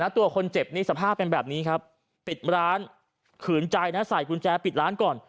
ตัวคนเจ็บนี่สภาพเป็นแบบนี้ครับปิดร้านขืนใจนะใส่กุญแจปิดร้านก่อน